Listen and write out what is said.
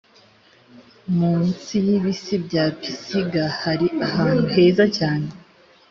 mu nsi y’ibisi bya pisiga hari ahantu heza cyane